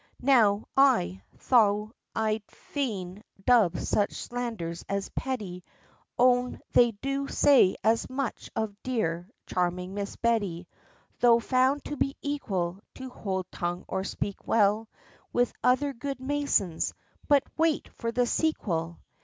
Now I though I'd fain dub such slanders as petty Own they do say as much of dear, charming Miss Betty: Tho' found to be equal, To hold tongue or speak well With other good masons but wait for the sequel!